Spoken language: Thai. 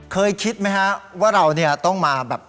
เคยคิดไหมครับว่าเราต้องมาแบบ